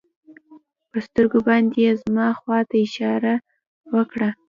په سترګو باندې يې زما خوا ته اشاره وکړه.